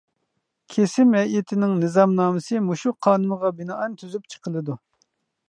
كېسىم ھەيئىتىنىڭ نىزامنامىسى مۇشۇ قانۇنغا بىنائەن تۈزۈپ چىقىلىدۇ.